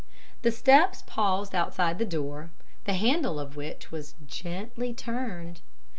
The steps paused outside the door, the handle of which was gently turned.